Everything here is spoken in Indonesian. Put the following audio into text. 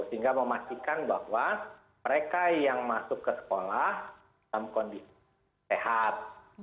sehingga memastikan bahwa mereka yang masuk ke sekolah dalam kondisi sehat